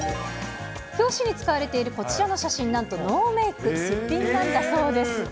表紙に使われているこちらの写真、なんとノーメイク、すっぴんなんだそうです。